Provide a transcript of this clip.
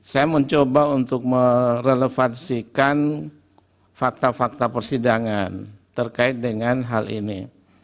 saya mencoba untuk merelevansikan fakta fakta persidangan terkait dengan hal ini